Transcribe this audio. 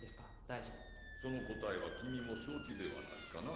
大臣その答えは君も承知ではないかな？